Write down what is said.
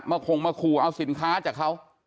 คงมาขู่เอาสินค้าจากเขา